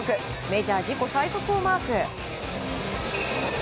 メジャー自己最速をマーク。